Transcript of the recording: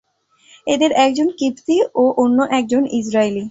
এদের একজন কিবতী ও অন্য একজন ইসরাঈলী।